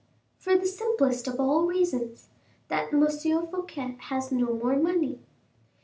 "For the simplest of all reasons, that M. Fouquet has no more money."